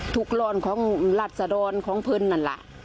ทุกร้อนของราชดรของเพลินนั่นแหละ